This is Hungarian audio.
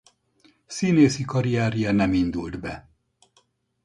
Színészi karrierje nem indult be.